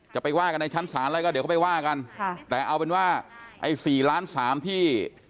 จะไปว่ากันในชั้นสารแล้วก็เดี๋ยวเขาไปว่ากันแต่เอาเป็นว่าไอ้๔ล้าน๓ที่